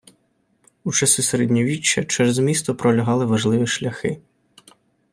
У часи середньовіччя через місто пролягали важливі шляхи.